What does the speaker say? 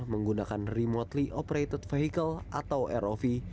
menggunakan remotely operated vehicle atau rov